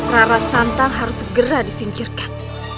rara santan harus segera disingkirkan